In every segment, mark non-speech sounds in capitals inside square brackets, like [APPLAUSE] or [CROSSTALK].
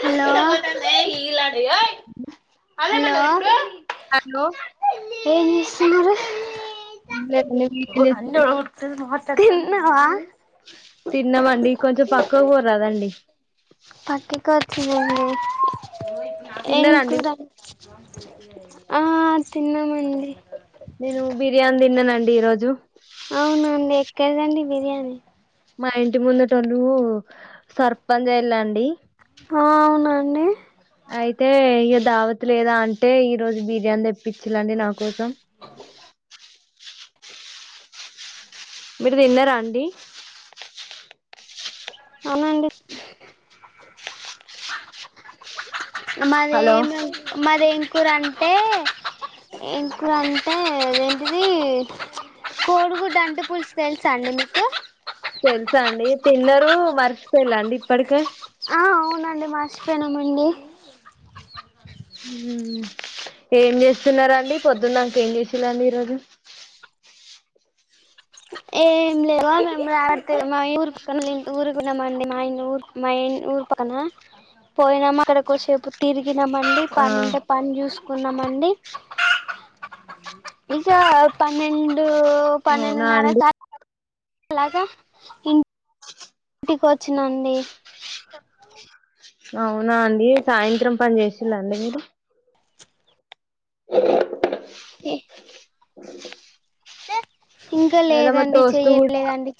Hello hello hello ఎం చేస్తున్నరు ఏం లేదండి మీరేం చేస్తున్నారు తిన్నవ తిన్నామండి కొంచెం పక్కకు పోరాదండి పక్కా కొచ్చిన అండి ఏం తిన్నారండి కూర ఆ తిన్నామండి ఈరోజు అవునండి ఎక్కడదండి బిర్యానీ మా ఇంటి ముందటోళ్లు సర్పంచ్ అయలాండి అవునాండి అయితే ఇగ దావత లేదా అంటే ఈరోజు బిర్యానీ తెప్పించలేండి నా కోసం మీరు తిన్నారా అండి అవునండి హలో మరేమి మరేం కూర అంటే ఇంకా అంటే అదేంటిది కోడిగుడ్డుంటే పులుసు తెలుసా అండి మీకు తెలుసా అండి తిన్నరు మర్చిపోళ్ళండి ఇప్పటికే ఆ అవునండి మర్చిపోయినమండి ఉమ్ ఏం చేస్తున్నారండి పొద్దున్నక ఏం చేసలాండి ఈరోజు ఏం లేదు మేము రాత్రి మా ఊరు ఇంటి ఊరుపోయిన్నామ్ అండి మా ఇ ఊన్ మా ఇన్ ఊర్ పన పోయినామా అక్కడి కొసేపు తిరిగినమండి ఆ పని ఉంటే పని చూసు కున్నామండి ఇక పన్నెండు అవునా పన్నెండున్నర అండి అలాగా ఇన్ ఇంటికి వచ్చినండి అవునా అండి సాయంత్రం పని చేసిళండి మీరు అ ఏ ఇంకా ఇద మ దో లేదండి వస్తు కూడా చెయ్యలేదండి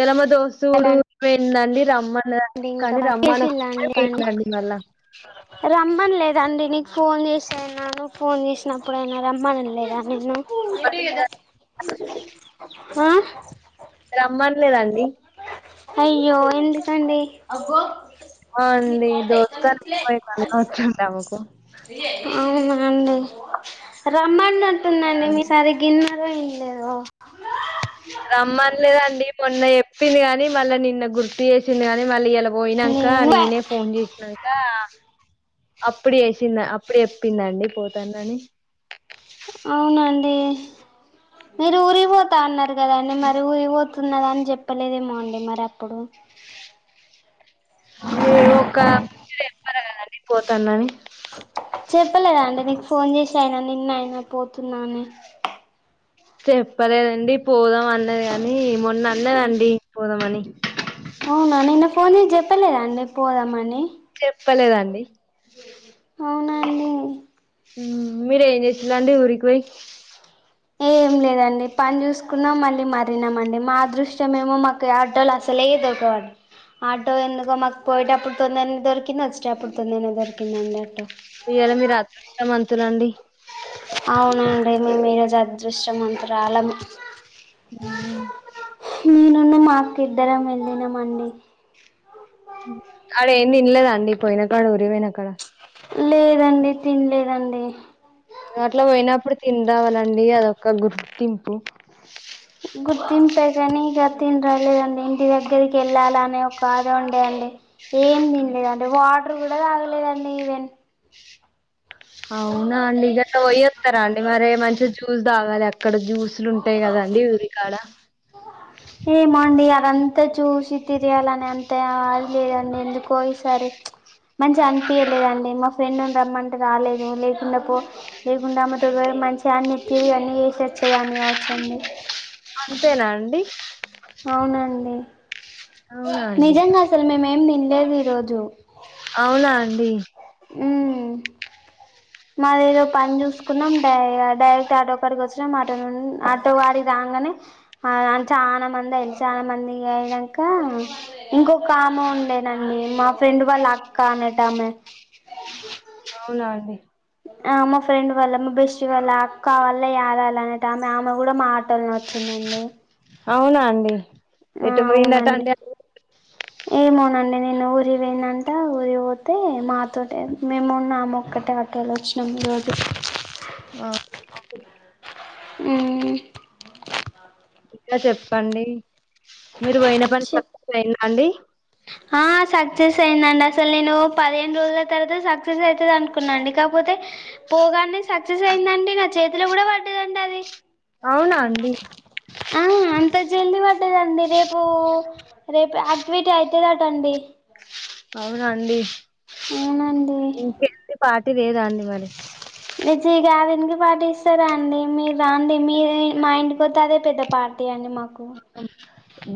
ఇల మా దోసుడి పోయిందండి రమ్మన్నదండి అండి ఇంకా కానీ చేసిల్లా రమ్మనకుంటే అండి పోయిందండి మళ్ళా రమ్మన్లేదండి నీకు ఫోన్ చేస అనను ఫోన్ చేసినప్పుడుయినా రమ్మన లేదా నిన్ను ఆ రమ్మనలేదాండి అయ్యో ఎందుకండి ఆ అండి దోస్త్ వచ్చింది ఆమెకు [UNINTELLIGIBLE] అవునా అండి రమ్మనట్టు ఉందండి అండి మీసారి గిన్నె [UNINTELLIGIBLE] మోన్న చెప్పింది కాని మళ్ళ నిన్న గుర్తు చేసింది కాని మళ్ళీ ఇయల పోయినాక నేను నీనే ఫోన్ చేసినక అప్పుడు ఎసింద అప్పుడు చెప్పిందండి పోతానని అవునండి మీరు ఊరిపోతా అన్నారు కదండి మరి ఊరిపోత్ ఉన్నదాని చెప్పలేదేమో అండి మరి అప్పుడు ఏవో ఒక [UNINTELLIGIBLE] చెప్పార కదండి పోతాన్నాని చెప్పలేదండి నీకు ఫోన్ చేసి అయినా నిన్న అయినా పోతున్న అనీ చెప్పలేదండి పోదాం అన్నది కాని మొన్న అన్నదండి పోదామని అవునా నిన్న ఫోన్ చేసి చెప్పలేదండి పోదామని చెప్పలేదండి అవునాండి మీరేం చేసిలాండి ఊరికి పోయి ఏం లేదండి పని చూసుకున్నాం మళ్ళీ మరినామండి మా అదృష్టం ఏమో మాకు ఆడోలు అసలే ఏ దగడ్ ఆటో ఎందుకో మాకు పోయేటప్పుడు తొందనే దొరికింది వచ్చేట అప్పుడు తొందనే దొరికిందండి ఆటో ఇవాళ మీరు అదృష్టం మత్తులండి అవునండి మేము ఈరోజు అదృష్టం మతురాలం ఉమ్ నిన్న మాకు ఇద్దరం వెళ్ళినమండి అడ ఏం తినలేదండి పోయిన కాడ ఊరి పోయిన కాడ లేదండి తినలేదండి అ అట్ల పోయినప్పుడు తిన్రవలండి అదొక గుర్తింపు గుర్తింపే కాని ఇగ థిన్ రాలేదండి ఇంటి దగ్గరికి వెళ్ళాలా అనే ఒక ఆద ఉండే అండి ఏం తినలేదండి వాటర్ కూడ తాగలేదండి ఈవెన్ అవునా అండి గట్ల పోయత్తర అండి మరి మంచిగ జ్యూస్ తాగాలి ఆక్కడ జ్యూసులు ఉంటాయి కదా అండి ఉరికాడ ఏమోండి అదంత చూసి తియాలని అంత అది లేదండి ఎందుకో ఈ ప్చ్ మంచిగ అనిపియాలేదండి ఫ్రెండ్ ఉంది రమ్మంటే రాలేదు లేకుండా పో లేకుండా అమ్మ తో పోయి మంచిగ అన్ని తిరి అన్నీ చేసే చేయనొచ్చండి అండి అంతేనా అండి అవునండి అవునా అండి నిజంగ అసలు మేమేం తినలేద ఈరోజు అవునా అండి హ్మ్ మాది ఏదో పని చూసుకున్నాం డైరెక్ట్ అటక్కడికి వచ్చినాం అట అటు వాడి రా గనే చాలా మంది అయింది చాలా మంది ఇగ ఐనంక ఇంకొక ఉండేనండి మా ఫ్రెండ్ వాళ్ళ అక్క అనట్టమే అవున అండి ఆ మా ఫ్రెండ్ వాల్ల మా బెస్ వాళ్ళ అక్క వాల్ల దాల అన్నట్టు ఆమె ఆమె కూడ మా ఆటో లోనే వచ్చింది అండి అవునా అండి ఎటు హ్మ్ పోయిందట అవునండి అండి ఏమోనండి నే నేను ఉరి పోనంట ఉరి పోతే మాతో మేము ఉన్నాము ఒక్కటే అట్టలో వచ్చినప్పుడు ఓటే ఒ హ్మ్ ఇగ చెప్పండి మీరు పోయిన పని చెప్ సక్సెస్ అయింద అండి ఆ సక్సెస్ అయ్యిందండి అసలు నేను పదిహేను రోజుల తర్వాత సక్సెస్ అవుతుంది అనుకున్నాండి కాకపోతే పోగానే సక్సెస్ అయిందండి నచ్ చేతిలో కూడ వట్టిది అంటది అవునా అండి అదండి రేపు రేపు యాక్టివిటీ అయితదట అండి అవునండి అవునండి ఇంకేంటి పార్టీ లేదా అండి మరి ఎ చి దానికి పాటిస్తారా అండి మీరు అ అండి మీ మా ఇంటి కొత్తే అదే పెద్ద పార్టీ అండి మాకు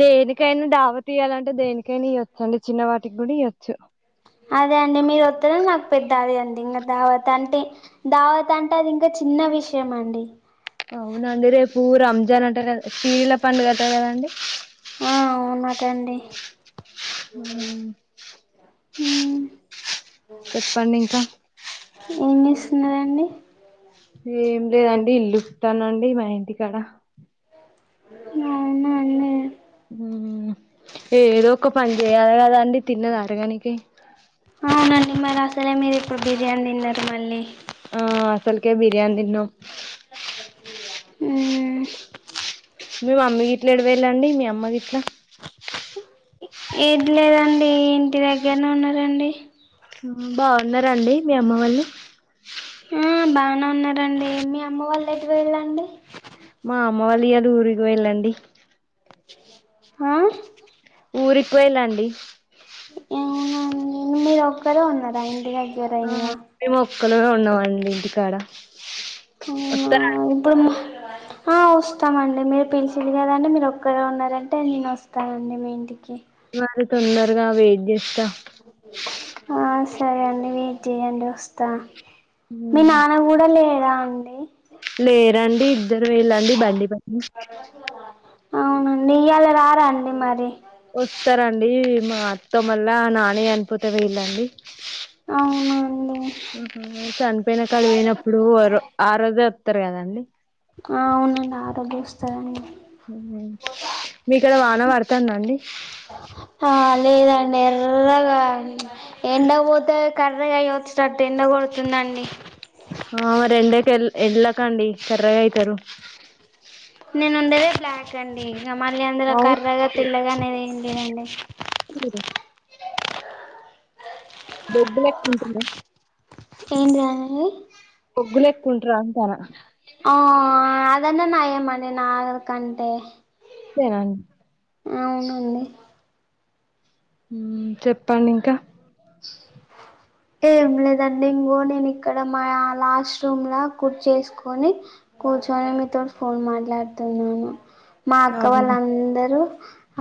దేనికైన దావత్ తీయ్యాలంటే దేనికైన ఇయ్వచ్చు అండి చిన్న వాటికి గూడ ఇయ్వొచ్చు అదే అండి మీరు ఒత్తేనే నాకు పెద్ద అది అండి ఇంగ ధావత్ అంటే ధావత్ అంటే అది ఇం చిన్న విషయం అండి అవునండి రేపు రంజాన్ అంటే కద పీర్ల పండగ అట కదండి టన్డి హ్మ్ హ్మ్ చెప్పండి ఇంక న్నారాండి ఏం లేదండి ఇల్లు ఉతానండి మా ఇంటికాడ నవునానండి ఏదో ఒక పని చేయాలి కదాండి తిన్నది అరగనికి అవునండి మరి అసలే మీరు ఇప్పుడు బిర్యానీ తిన్నారు మళ్ళీ ఆ అసలుకే బిర్యాని తిను అహ మీ మమ్మి గి ఇట్లా ఎడవేళ్ళండి మీ అమ్మ గ ఇట్లా ఏది లేదండి ఇంటి దగ్గరనే ఉన్నారండి. బావున్నారాండి మీ అమ్మ వాళ్ళు? మ్ బానే ఉన్నారండి. మీ అమ్మ వాళ్ళు ఎటు వెళ్ళండి మా అమ్మ వాళ్ళ ఇయాల ఊరికి వెళ్ళండి. ఆ ఊరికి వెళ్ళండి ఏవునం మీరు ఒక్కరే ఉన్నారాం ఆ మేమ్ ఒక్కలేం ఉన్నామండి ఇంటికాడ అవునా వత్తరా అప్పుడు మ ఆ వస్తామండి మీరు పిలిచింది కదంటే మీరు ఒక్కరే ఉన్నారంటే నేను వస్తానండి మీ ఇంటికి వారు తొందరగా వేద్యస్తా ఆ సరే అండి వెయిట్ చేయండి వస్తా మీ నాన్న కూడా లేడా అండి? లేరండి ఇద్దరు వెళ్ళండి బండిపైన అవునండి ఇయాళ రారా అండి మరి? వస్తారండి మా అత్త మళ్ళ నానే అనిపోతే వీళండి. అవునాండి చనిపోయిన కళు పోయినప్పుడు అరు ఆ రోజే వస్తారు కదండి. ఆ అవునండి ఆరోగ్యం వస్తదండి. మీక్కడ వాన పడతాంద అండి? ఆ లేదండి ఎర్రగా చ్ ఎండ పోతే కర్రగా అయచ్చటట్టు ఎండ కొడుతుందండి. ల్ ఎళ్ళక అండి కర్రగా అయితరు. నేను ఉండేది బ్లాక్ అండి. ఇగ మళ్ళీ అందులో అవును కర్రగా పిల్లగా అనేది ఏంటి అండి. తెలీదు దొడ్ మెట్ట ఉంటుంద ఏంటిదానిది కుంట రాంతార ఆ అదన్న నయమనే నా కంటే తెరన్ అవునండి మ్ చెప్పండి ఇంకా చేయాలి ఏం లేదండి ఇంగో నేను ఇక్కడ మా లాస్ట్ రూమ్ లా కుర్ చేసుకొని కూర్చొని మీతో ఫోన్ మాట్లాడుతున్నాను. మా అక్క అవును వాళ్ళ అందరూ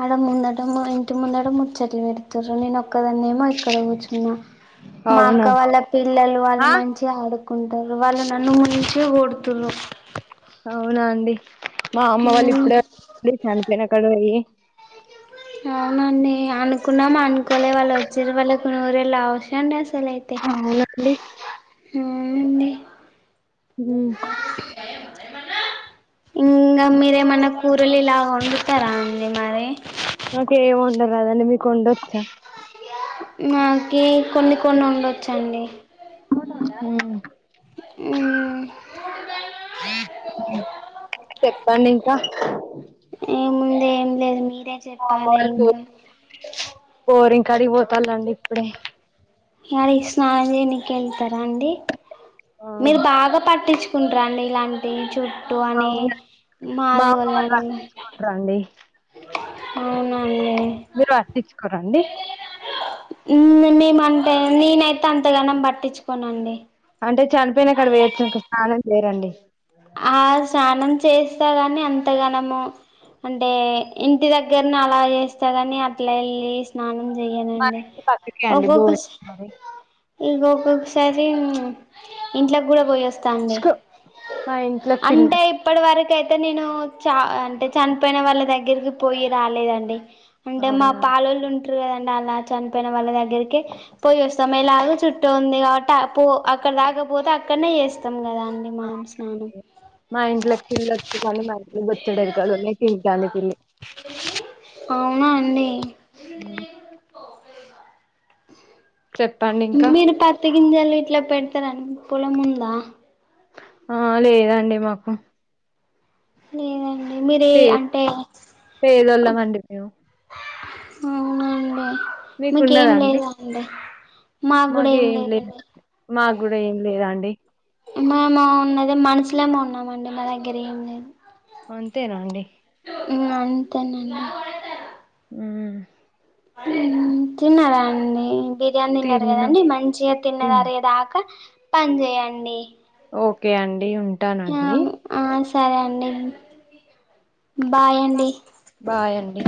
ఆడ ముందట ముయ్ ఇంటి ముందడ ముచ్చట్లు పెడుతారు నేను ఒక్కదాన్నే మొయ్ ఇక్కడ కూర్చున్నా మా అవునా అక్క వాళ్ళ పిల్లలు వాళ్ళు ఆ మంచి ఆడు కుంటారు వాళ్ళ నన్ను మురించే ఓడుతున్నారు అవునా అండి మా అమ్మ వాళ్ళు ఇప్పుడ చనిపోయిన అక్కడ పోయి అవునండి అనుకున్నాం అనుకోలే వాళ్ళు వచ్చే వాళ్ళ కొ ఊరెళ్ళ అవ్వుసు అండి అవునండి ఆ అండీ ఉ మయి మన్నా ఇంకా మీరేమన్నా కూరలు ఇలా వండుతారా అండి మరి నాకేమి వంటరాదండి మీకు వంటచ్చా నాకి కొన్ని కొన్ని ఉండొచ్చండి ఉ ఉమ్ చెప్పండి ఇంకా ఏముందే ఏం లేదు మీరే మా అమ్మ చెప్పాలి ఇంకా కరిపోతారుండి ఇప్పుడే డ స్నానం చెయ్యినికి వెళ్తారా అండి ఆ మీరు బాగా పట్టించు సండ్రాండి ఇలాంటివి చూ మా ఊరుల మా అమ్మ వాళ్ళు పట్టించుకోరా అండి అవునండి మీరు పట్టించుకోరా అండి మేమంటే నేనైతే అంతగానం పట్టించుకోనండి అంటే చనిపోయిన కాడపోయొచ్చాక స్నానం చేరండి ఆ స్నానం చేస్తా కాని అంతగనము అంటే ఇంటి దగ్గరని అలా చేస్తదని అట్లా వెళ్ళి స్నానం మరి చెయ్యనండి పత్రక అండి దో మరి ఇక ఒక్కొక్కసారి ఇంట్లోకి కూడా పోయిస్త డి మరి మా ఇంట్లోకి పిల్ల అంటే ఇప్పటి వరకు యితే నేను చ అంటే చనిపోయిన వాళ్ళ దగ్గరికి పోయి రాలేదండి అంటే మా అవునా పాల వాళ్ళు ఉంటారు కదండి అలా చనిపోయిన వాళ్ళ దగ్గరికి పోయి వస్తాం ఆమెలాగ చుట్టూ ఉంది కాబట్టి పో అక్కడ తాకపోతే అక్కడనే చేస్తాం కదా అని మనం స్నానం అవునండి మా ఇంట్లోకి పిల్లి వస్తడు కానీ మా ఇంట్లో వచ్చాడ కవెనకాల ఉన్నాయి తింటాది క పిల్లి అవునా అండి హ్మ్. చెప్పండి ఇంకా మీరు పత్త గింజాలు ఇట్లా పెడతారడి పొలం ఉందా ఆ లేదండి మాకు లేదండి మీరే పే అంటే పేదోళ్ళమండి మేము అవునండి మీకేం లేదా అండి మాకు కూడా మాక్ ఏం లేదు లేదండి మాకు కూడా ఏం లేద అండి మేము ఉన్నది మనుషులమే ఉన్నామండి మా దగ్గర ఏమి లే అంతేనా అండి అంతేనండి ఉమ్ ఉ తిన్నారండి బిర్యానీ తిన్నారు తిన్నా కదండి మంచిగా తిన్నది తిన్నా అరిగేదాకా పని చేయండి ఓకే అండి ఆ ఉంటానండి ఆ సరే అండి బాయ్ అండి బాయ్ అండి